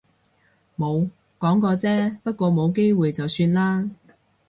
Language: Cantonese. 冇，講過啫。不過冇機會就算喇